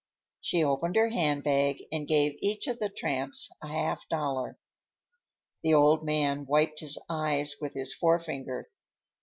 She opened her handbag and gave each of the tramps a half dollar. The old man wiped his eyes with his forefinger.